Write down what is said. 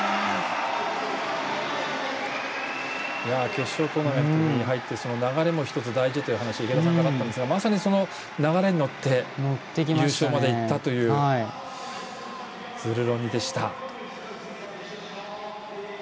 決勝トーナメントに入って流れも１つ大事という話が池田さんからあったんですがまさに、その流れに乗って優勝までいったというズルロニでした。